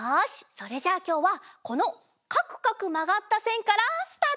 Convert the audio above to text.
それじゃあきょうはこのかくかくまがったせんからスタート！